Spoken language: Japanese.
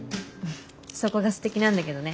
そこがすてきなんだけどね。